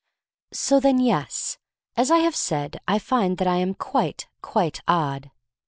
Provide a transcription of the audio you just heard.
SO THEN, yes. As I have said, I find that I am quite, quite odd.